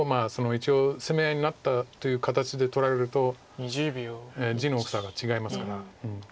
一応攻め合いになったという形で取られると地の大きさが違いますから。